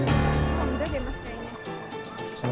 mbak mbak ya aku sudah dia mas layanya